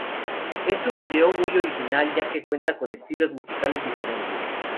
Es un vídeo muy original ya que cuenta con estilos musicales diferentes.